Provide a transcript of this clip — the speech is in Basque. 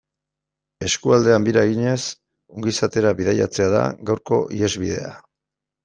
Eskualdean bira eginez ongizatera bidaiatzea da gaurko ihesbidea.